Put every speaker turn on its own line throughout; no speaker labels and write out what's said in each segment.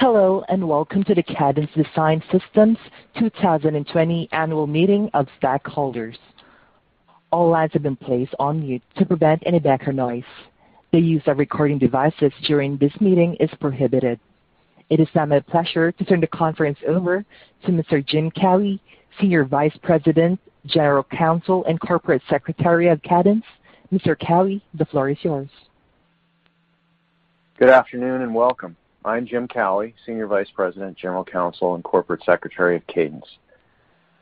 Hello, welcome to the Cadence Design Systems' 2020 Annual Meeting of Stockholders. All lines have been placed on mute to prevent any background noise. The use of recording devices during this meeting is prohibited. It is now my pleasure to turn the conference over to Mr. Jim Cowie, Senior Vice President, General Counsel, and Corporate Secretary of Cadence. Mr. Cowie, the floor is yours.
Good afternoon, and welcome. I'm Jim Cowie, Senior Vice President, General Counsel, and Corporate Secretary of Cadence.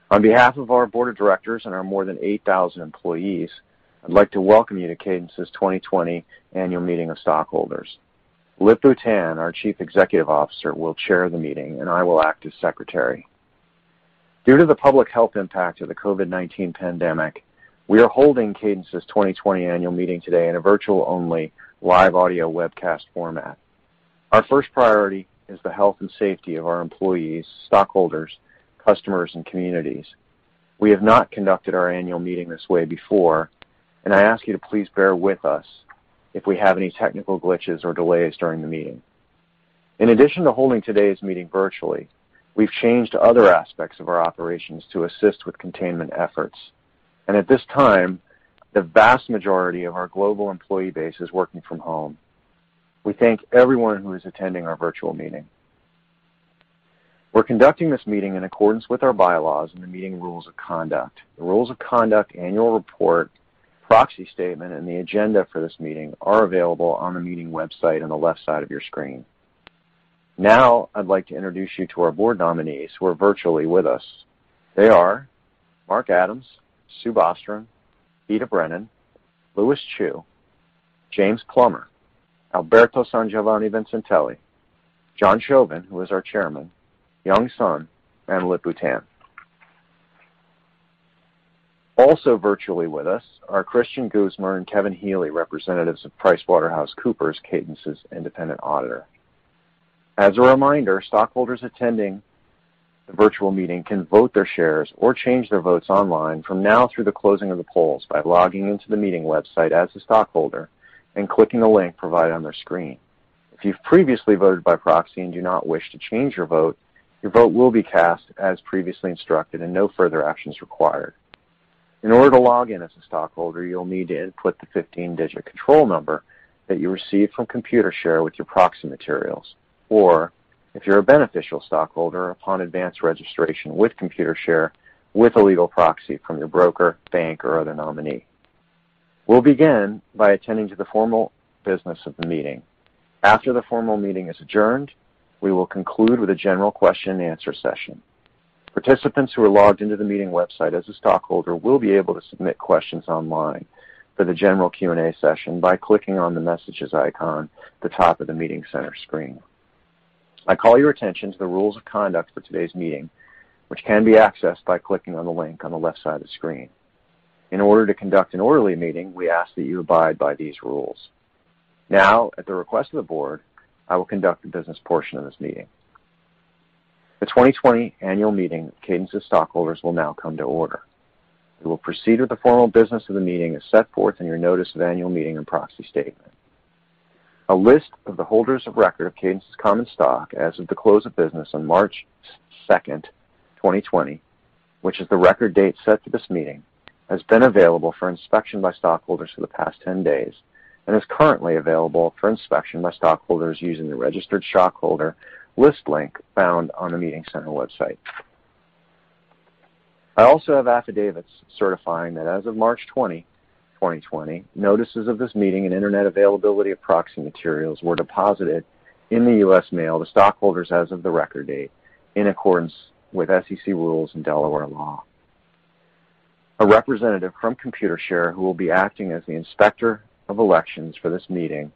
On behalf of our board of directors and our more than 8,000 employees, I'd like to welcome you to Cadence's 2020 Annual Meeting of Stockholders. Lip-Bu Tan, our Chief Executive Officer, will Chair the meeting, and I will act as Secretary. Due to the public health impact of the COVID-19 pandemic, we are holding Cadence's 2020 annual meeting today in a virtual-only live audio webcast format. Our first priority is the health and safety of our employees, stockholders, customers, and communities. We have not conducted our annual meeting this way before, and I ask you to please bear with us if we have any technical glitches or delays during the meeting. In addition to holding today's meeting virtually, we've changed other aspects of our operations to assist with containment efforts. At this time, the vast majority of our global employee base is working from home. We thank everyone who is attending our virtual meeting. We're conducting this meeting in accordance with our bylaws and the meeting rules of conduct. The rules of conduct, annual report, proxy statement, and the agenda for this meeting are available on the meeting website on the left side of your screen. I'd like to introduce you to our board nominees who are virtually with us. They are Mark Adams, Sue Bostrom, Ita Brennan, Lewis Chew, James Plummer, Alberto Sangiovanni-Vincentelli, John Shoven, who is our Chairman, Young Sohn, and Lip-Bu Tan. Also virtually with us are Christian Guzman and Kevin Healy, representatives of PricewaterhouseCoopers, Cadence's independent auditor. As a reminder, stockholders attending the virtual meeting can vote their shares or change their votes online from now through the closing of the polls by logging in to the meeting website as a stockholder and clicking the link provided on their screen. If you've previously voted by proxy and do not wish to change your vote, your vote will be cast as previously instructed and no further action is required. In order to log in as a stockholder, you'll need to input the 15-digit control number that you received from Computershare with your proxy materials. If you're a beneficial stockholder, upon advanced registration with Computershare with a legal proxy from your broker, bank, or other nominee. We'll begin by attending to the formal business of the meeting. After the formal meeting is adjourned, we will conclude with a general question and answer session. Participants who are logged in to the meeting website as a stockholder will be able to submit questions online for the general Q&A session by clicking on the messages icon at the top of the meeting center screen. I call your attention to the rules of conduct for today's meeting, which can be accessed by clicking on the link on the left side of the screen. In order to conduct an orderly meeting, we ask that you abide by these rules. Now, at the request of the board, I will conduct the business portion of this meeting. The 2020 Annual Meeting of Cadence's Stockholders will now come to order. We will proceed with the formal business of the meeting as set forth in your notice of annual meeting and proxy statement. A list of the holders of record of Cadence's common stock as of the close of business on March 2nd, 2020, which is the record date set for this meeting, has been available for inspection by stockholders for the past 10 days and is currently available for inspection by stockholders using the Registered Stockholder List link found on the meeting center website. I also have affidavits certifying that as of March 20, 2020, notices of this meeting and internet availability of proxy materials were deposited in the U.S. mail to stockholders as of the record date in accordance with SEC rules and Delaware law. A representative from Computershare who will be acting as the Inspector of Elections for this meeting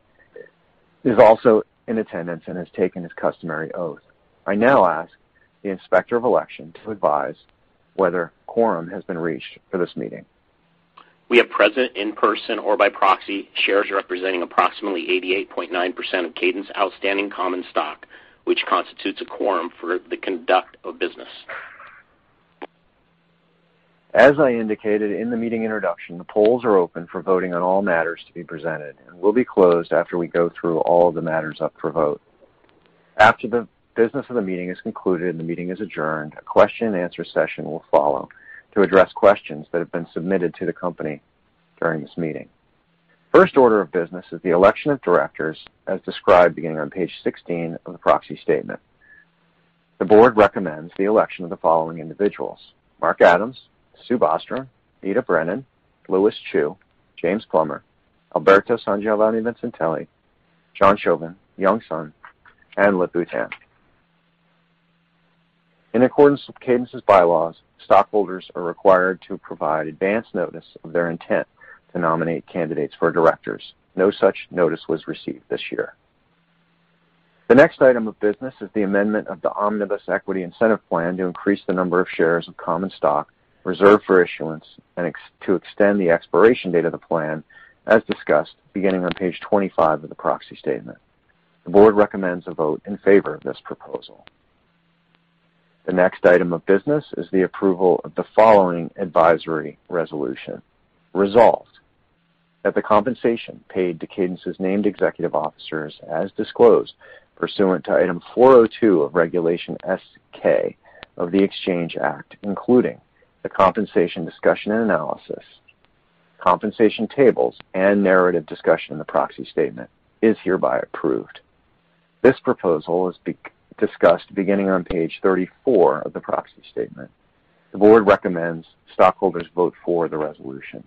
is also in attendance and has taken his customary oath. I now ask the Inspector of Election to advise whether quorum has been reached for this meeting.
We have present in person or by proxy shares representing approximately 88.9% of Cadence outstanding common stock, which constitutes a quorum for the conduct of business.
As I indicated in the meeting introduction, the polls are open for voting on all matters to be presented and will be closed after we go through all of the matters up for vote. After the business of the meeting is concluded and the meeting is adjourned, a question and answer session will follow to address questions that have been submitted to the company during this meeting. First order of business is the election of directors as described beginning on page 16 of the proxy statement. The board recommends the election of the following individuals: Mark Adams, Sue Bostrom, Ita Brennan, Lewis Chew, James Plummer, Alberto Sangiovanni-Vincentelli, John Shoven, Young Sohn, and Lip-Bu Tan. In accordance with Cadence's bylaws, stockholders are required to provide advance notice of their intent to nominate candidates for directors. No such notice was received this year. The next item of business is the amendment of the Omnibus Equity Incentive Plan to increase the number of shares of common stock reserved for issuance and to extend the expiration date of the plan, as discussed beginning on page 25 of the proxy statement. The board recommends a vote in favor of this proposal. The next item of business is the approval of the following advisory resolution. Resolved, that the compensation paid to Cadence's named executive officers as disclosed pursuant to Item 402 of Regulation S-K of the Exchange Act, including the compensation discussion and analysis, compensation tables, and narrative discussion in the proxy statement, is hereby approved. This proposal is discussed beginning on page 34 of the proxy statement. The board recommends stockholders vote for the resolution.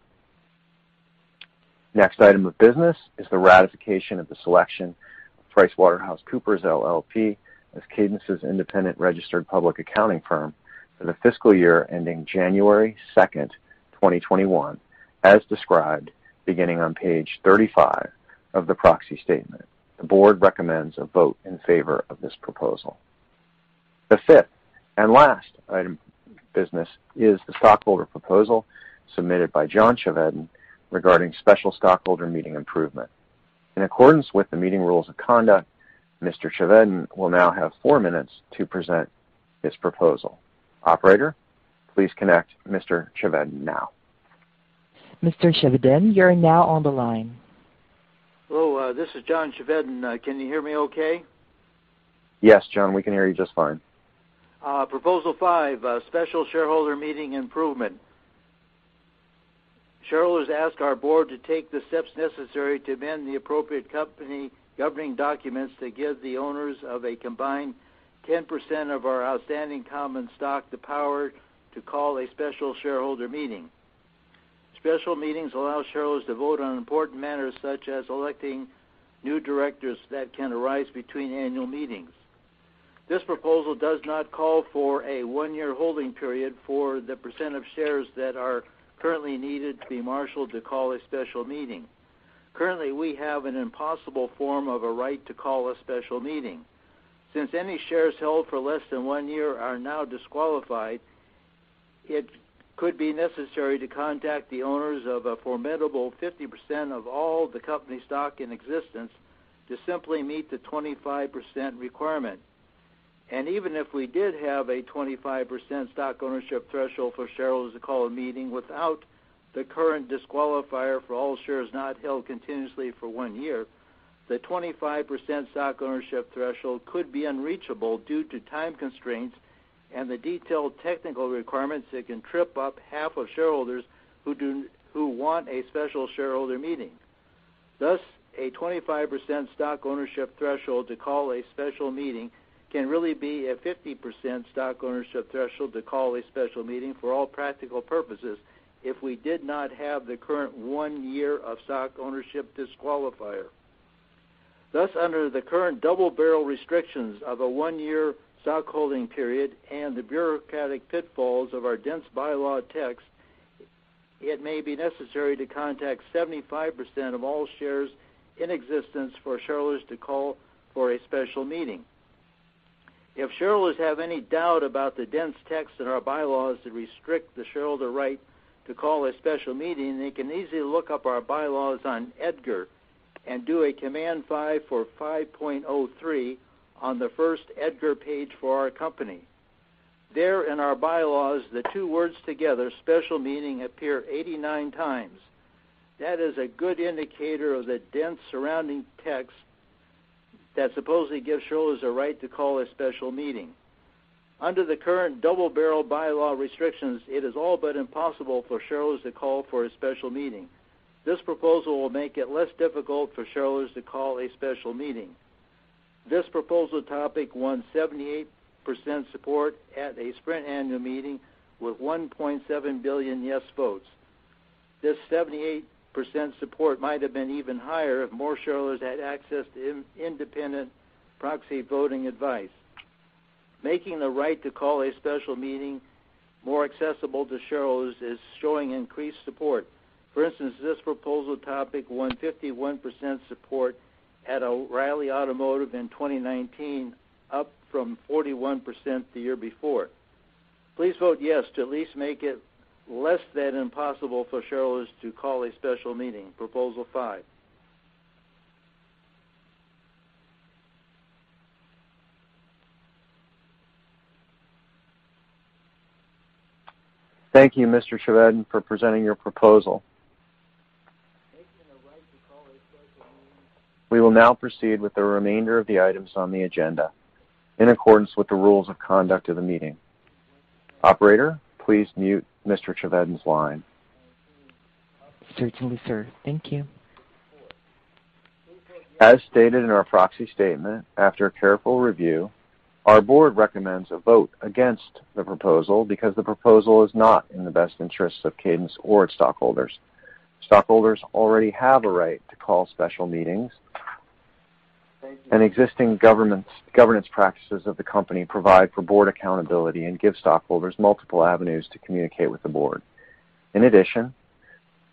Next item of business is the ratification of the selection of PricewaterhouseCoopers LLP as Cadence's independent registered public accounting firm for the fiscal year ending January 2nd, 2021, as described beginning on page 35 of the proxy statement. The board recommends a vote in favor of this proposal. The fifth and last item of business is the stockholder proposal submitted by John Chevedden regarding special stockholder meeting improvement. In accordance with the meeting rules of conduct, Mr. Chevedden will now have four minutes to present his proposal. Operator, please connect Mr. Chevedden now.
Mr. Chevedden, you're now on the line.
Hello, this is John Chevedden. Can you hear me okay?
Yes, John, we can hear you just fine.
Proposal 5, special shareholder meeting improvement. Shareholders asked our board to take the steps necessary to amend the appropriate company governing documents to give the owners of a combined 10% of our outstanding common stock the power to call a special shareholder meeting. Special meetings allow shareholders to vote on important matters such as electing new directors that can arise between annual meetings. This proposal does not call for a one-year holding period for the percent of shares that are currently needed to be marshaled to call a special meeting. Currently, we have an impossible form of a right to call a special meeting. Since any shares held for less than one year are now disqualified, it could be necessary to contact the owners of a formidable 50% of all the company stock in existence to simply meet the 25% requirement. Even if we did have a 25% stock ownership threshold for shareholders to call a meeting without the current disqualifier for all shares not held continuously for one year, the 25% stock ownership threshold could be unreachable due to time constraints and the detailed technical requirements that can trip up half of shareholders who want a special shareholder meeting. A 25% stock ownership threshold to call a special meeting can really be a 50% stock ownership threshold to call a special meeting for all practical purposes if we did not have the current one year of stock ownership disqualifier. Under the current double barrel restrictions of a one-year stock holding period and the bureaucratic pitfalls of our dense bylaw text, it may be necessary to contact 75% of all shares in existence for shareholders to call for a special meeting. If shareholders have any doubt about the dense text in our bylaws to restrict the shareholder right to call a special meeting, they can easily look up our bylaws on EDGAR and do a Command find for 5.03 on the first EDGAR page for our company. There in our bylaws, the two words together, special meeting, appear 89 times. That is a good indicator of the dense surrounding text that supposedly gives shareholders a right to call a special meeting. Under the current double barrel bylaw restrictions, it is all but impossible for shareholders to call for a special meeting. This proposal will make it less difficult for shareholders to call a special meeting. This proposal topic won 78% support at a Sprint annual meeting with 1.7 billion yes votes. This 78% support might have been even higher if more shareholders had access to independent proxy voting advice. Making the right to call a special meeting more accessible to shareholders is showing increased support. For instance, this proposal topic won 51% support at O'Reilly Automotive in 2019, up from 41% the year before. Please vote yes to at least make it less than impossible for shareholders to call a special meeting, Proposal 5.
Thank you, Mr. Chevedden, for presenting your proposal. We will now proceed with the remainder of the items on the agenda in accordance with the rules of conduct of the meeting. Operator, please mute Mr. Chevedden's line.
Certainly, sir. Thank you.
As stated in our proxy statement, after a careful review, our board recommends a vote against the proposal because the proposal is not in the best interests of Cadence or its stockholders. Stockholders already have a right to call special meetings. Existing governance practices of the company provide for board accountability and give stockholders multiple avenues to communicate with the board. In addition,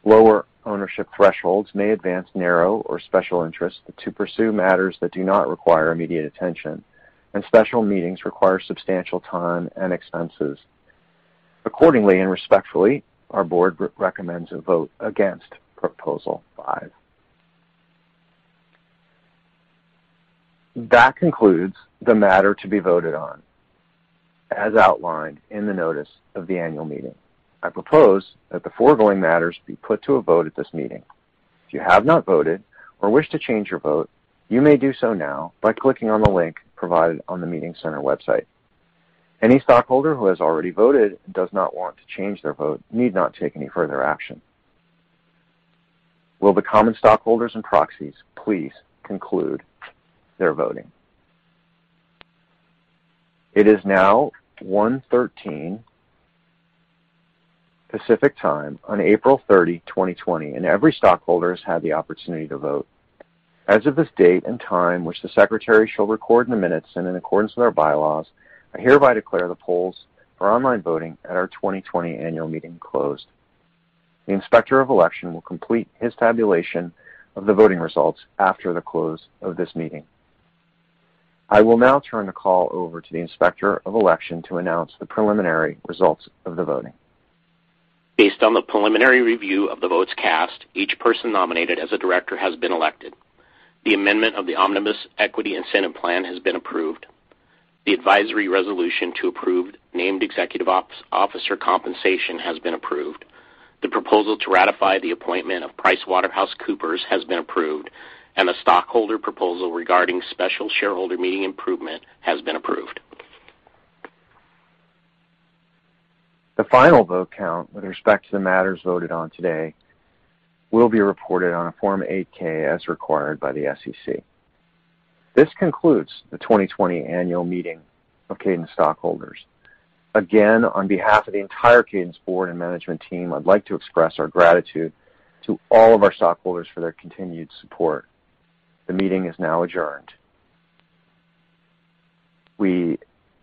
lower ownership thresholds may advance narrow or special interests to pursue matters that do not require immediate attention, and special meetings require substantial time and expenses. Accordingly and respectfully, our board recommends a vote against Proposal 5. That concludes the matter to be voted on as outlined in the notice of the annual meeting. I propose that the foregoing matters be put to a vote at this meeting. If you have not voted or wish to change your vote, you may do so now by clicking on the link provided on the meeting center website. Any stockholder who has already voted and does not want to change their vote need not take any further action. Will the common stockholders and proxies please conclude their voting? It is now 1:13 P.M. Pacific Time on April 30, 2020, and every stockholder has had the opportunity to vote. As of this date and time, which the Secretary shall record in the minutes and in accordance with our bylaws, I hereby declare the polls for online voting at our 2020 annual meeting closed. The Inspector of Election will complete his tabulation of the voting results after the close of this meeting. I will now turn the call over to the Inspector of Election to announce the preliminary results of the voting.
Based on the preliminary review of the votes cast, each person nominated as a director has been elected. The amendment of the Omnibus Equity Incentive Plan has been approved. The advisory resolution to approve named executive officer compensation has been approved. The proposal to ratify the appointment of PricewaterhouseCoopers has been approved. The stockholder proposal regarding special shareholder meeting improvement has been approved.
The final vote count with respect to the matters voted on today will be reported on a Form 8-K as required by the SEC. This concludes the 2020 Annual Meeting of Cadence Stockholders. Again, on behalf of the entire Cadence board and management team, I'd like to express our gratitude to all of our stockholders for their continued support. The meeting is now adjourned. We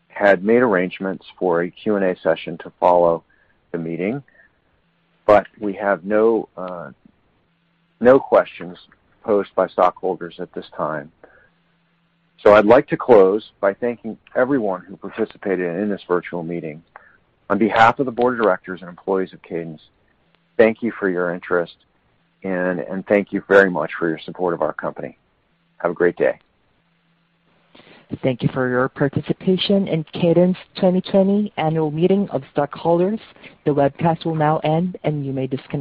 had made arrangements for a Q&A session to follow the meeting, but we have no questions posed by stockholders at this time. I'd like to close by thanking everyone who participated in this virtual meeting. On behalf of the board of directors and employees of Cadence, thank you for your interest and thank you very much for your support of our company. Have a great day.
Thank you for your participation in Cadence's 2020 Annual Meeting of Stockholders. The webcast will now end, and you may disconnect.